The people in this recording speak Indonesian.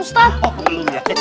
ustadz belum juga dituang ustadz